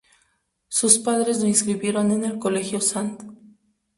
Sus padres lo inscribieron en el colegio St.